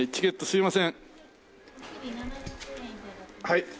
はい。